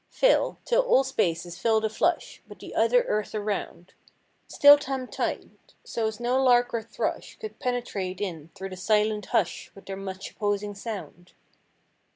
Fill, till all space is filled a flush With the other earth around— Still tamped tight—so's no lark or thrush Could penetrate in through the silent hush With their much opposing sound.